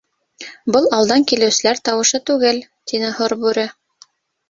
— Был алдан килеүселәр тауышы түгел, — тине һорбүре.